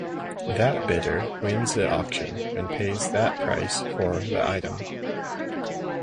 That bidder wins the auction and pays that price for the item.